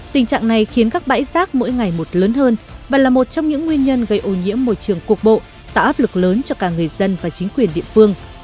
tình trạng này khiến các bãi rác mỗi ngày một lớn hơn và là một trong những nguyên nhân gây ô nhiễm môi trường cuộc bộ tạo áp lực lớn cho cả người dân và chính quyền địa phương